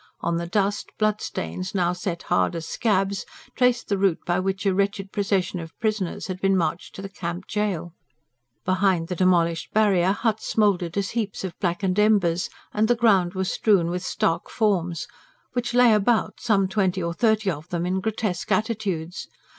On the dust, bloodstains, now set hard as scabs, traced the route by which a wretched procession of prisoners had been marched to the Camp gaol. Behind the demolished barrier huts smouldered as heaps of blackened embers; and the ground was strewn with stark forms, which lay about some twenty or thirty of them in grotesque attitudes.